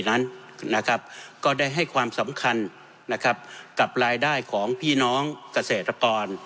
นั้นนะครับก็ได้ให้ความสำคัญนะครับกับรายได้ของพี่น้องเกษตรกร